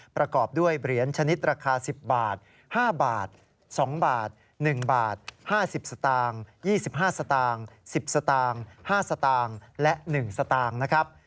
ประกอบด้วยเหรียญชนิดราคา๑๐บาท๕บาท๒บาท๑บาท๕๐สตางค์๒๕สตางค์๑๐สตางค์๕สตางค์และ๑สตางค์นะครับ